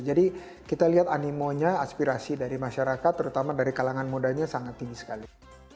jadi kita lihat animonya aspirasi dari masyarakat terutama dari kalangan modanya sangat tinggi sekali